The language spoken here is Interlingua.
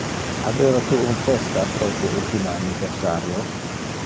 Habeva tu un festa pro tu ultime anniversario?